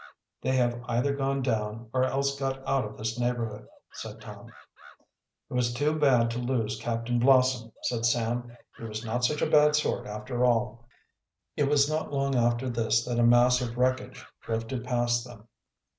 "They have either gone down or else got out of this neighborhood," said Tom. "It was too bad to lose Captain Blossom," said Sam. "He was not such a bad sort, after all." It was not long after this that a mass of wreckage drifted past them.